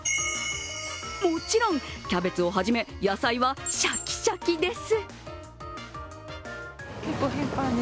もちろん、キャベツをはじめ野菜はしゃきしゃきです。